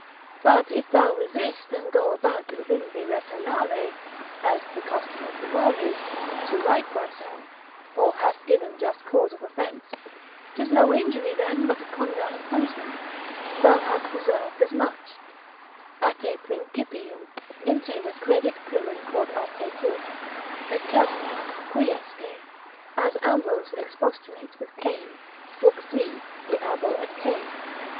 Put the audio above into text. But if thou resist and go about vim vi repellere, as the custom of the world is, to right thyself, or hast given just cause of offence, 'tis no injury then but a condign punishment; thou hast deserved as much: A te principium, in te recredit crimen quod a te fuit; peccasti, quiesce, as Ambrose expostulates with Cain, lib. 3. de Abel et Cain.